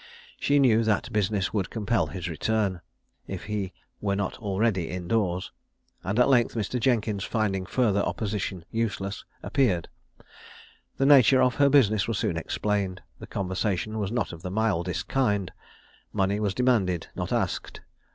She knew that business would compel his return, if he were not already in doors; and at length, Mr. Jenkins, finding further opposition useless, appeared. The nature of her business was soon explained. The conversation was not of the mildest kind. Money was demanded, not asked.